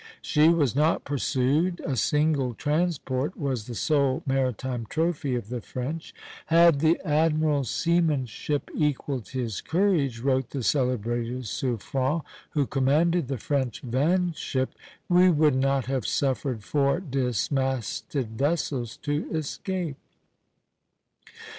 She was not pursued; a single transport was the sole maritime trophy of the French. "Had the admiral's seamanship equalled his courage," wrote the celebrated Suffren, who commanded the French van ship, "we would not have suffered four dismasted vessels to escape."